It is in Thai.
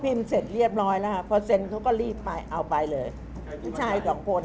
พอพิมพ์เสร็จเรียบร้อยแล้วค่ะเพราะเซ็นก็รีบเอาไปเลย